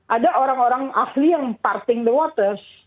ada orang orang ahli yang parting the waters